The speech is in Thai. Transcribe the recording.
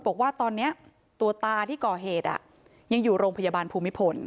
บอกว่าตอนนี้ตัวตาที่ก่อเหตุยังอยู่โรงพยาบาลภูมิพล